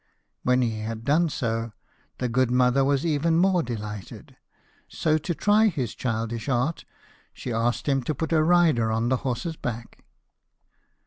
When he had done so, the good mother was even more delighted. So, to try his childish art, she asked him to put a rider on the horse's back.